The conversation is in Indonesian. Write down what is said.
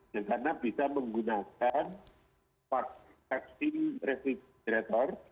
karena bisa menggunakan vaksin residrator